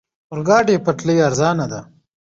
اورګاډي پټلۍ ارزانه ده.